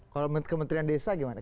kalau kementerian desa gimana